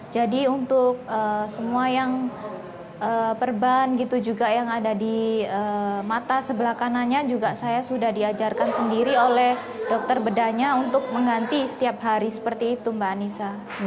jadi untuk semua yang perban gitu juga yang ada di mata sebelah kanannya juga saya sudah diajarkan sendiri oleh dokter bedanya untuk mengganti setiap hari seperti itu mbak anissa